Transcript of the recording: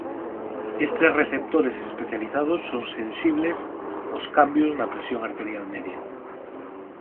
Estes receptores especializados son sensibles aos cambios na presión arterial media.